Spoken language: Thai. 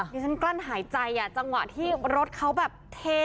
ดิฉันกลั้นหายใจอ่ะจังหวะที่รถเขาแบบเท